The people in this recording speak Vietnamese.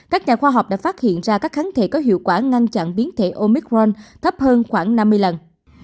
các nhà khoa học đã phát hiện ra các kháng thể có hiệu quả ngăn chặn biến thể omic ron thấp hơn khoảng năm mươi lần